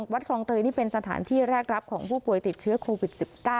คลองเตยนี่เป็นสถานที่แรกรับของผู้ป่วยติดเชื้อโควิด๑๙